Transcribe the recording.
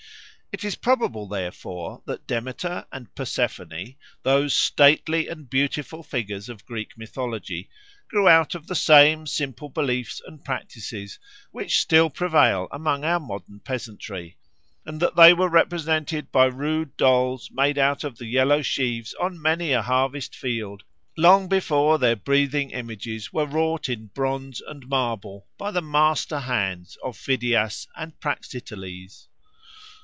It is probable, therefore, that Demeter and Persephone, those stately and beautiful figures of Greek mythology, grew out of the same simple beliefs and practices which still prevail among our modern peasantry, and that they were represented by rude dolls made out of the yellow sheaves on many a harvest field long before their breathing images were wrought in bronze and marble by the master hands of Phidias and Praxiteles.